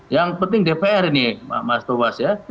yang penting dpr ini mas tobas ya